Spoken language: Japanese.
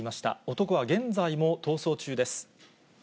男は現在も逃走中です。